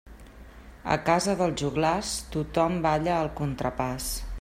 A la casa dels joglars, tothom balla el contrapàs.